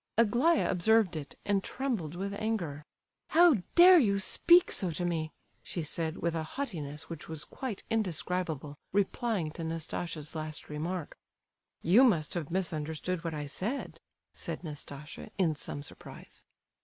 Aglaya observed it, and trembled with anger. "How dare you speak so to me?" she said, with a haughtiness which was quite indescribable, replying to Nastasia's last remark. "You must have misunderstood what I said," said Nastasia, in some surprise.